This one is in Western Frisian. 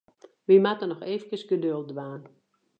Wy moatte noch eefkes geduld dwaan.